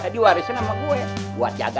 diwarisan sama gue buat jaga jaga